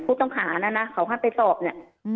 พูดต้องหานะนะเขาห้ามไปตอบเนี้ยอืม